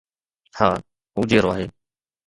ها، هو جيئرو آهي